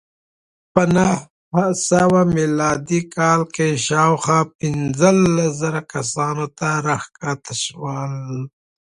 په نهه سوه میلادي کال کې شاوخوا پنځلس زره کسانو ته راښکته شول